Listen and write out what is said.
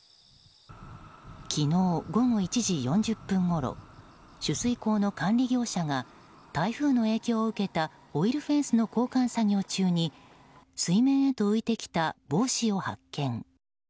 昨日午後１時４０分ごろ取水口の管理業者が台風の影響を受けたオイルフェンスの交換作業中に水面へと浮いてきた帽子を発見。